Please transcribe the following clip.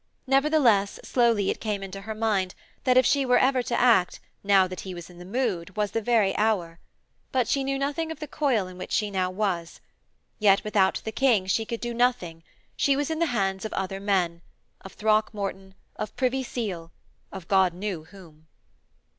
Nevertheless slowly it came into her mind that if she were ever to act, now that he was in the mood was the very hour. But she knew nothing of the coil in which she now was. Yet without the King she could do nothing; she was in the hands of other men: of Throckmorton, of Privy Seal, of God knew whom.